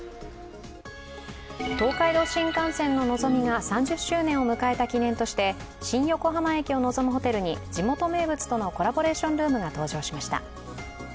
東海道新幹線ののぞみが３０周年を迎えた記念として新横浜駅を望むホテルに地元名物とのコラボレーションルームが登場しました。